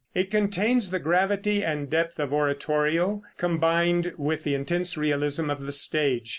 It contains the gravity and depth of oratorio combined with the intense realism of the stage.